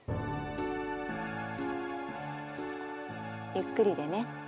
ゆっくりでね。